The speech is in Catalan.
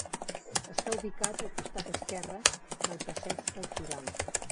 Està ubicat al costat esquerre del Passeig del Firal.